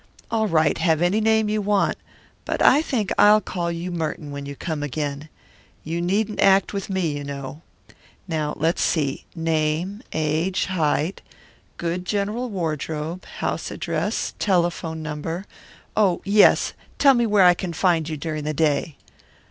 "All right, have any name you want; but I think I'll call you Merton when you come again. You needn't act with me, you know. Now, let's see name, age, height, good general wardrobe, house address, telephone number oh, yes, tell me where I can find you during the day."